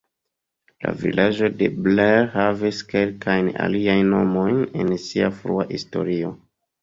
La vilaĝo de Blair havis kelkajn aliajn nomojn en sia frua historio.